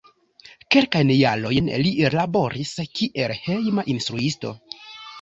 Kelkajn jarojn li laboris kiel hejma instruisto.